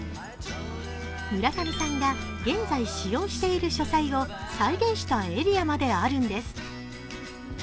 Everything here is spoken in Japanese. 村上さんが現在使用している書斎を再現したエリアまであるんです。